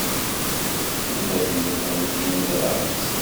Ula d nekkenti neẓra-tt.